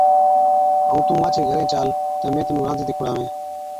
ائُون تُون مانڇي گھرين چال تہ مين تنُون رانڌتِي کُڙاوَين۔